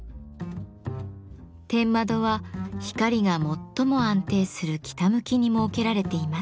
天窓は光が最も安定する北向きに設けられています。